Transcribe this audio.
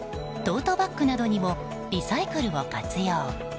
トートバッグなどにもリサイクルを活用。